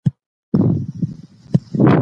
خلک به نور احتیاط کوي.